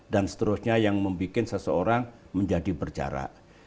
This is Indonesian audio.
dan seterusnya yang membuat seseorang menjadi berjarak